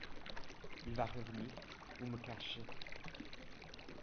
Il va revenir… où me cacher ?